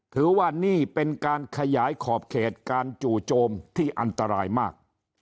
ถือว่านี่เป็นการขยายขอบเขตการจู่โจมที่อันตรายมาก